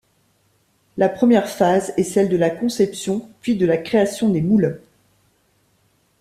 La première phase est celle de la conception, puis de la création des moules.